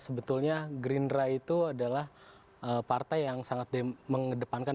sebetulnya gerindra itu adalah partai yang sangat mengedepankan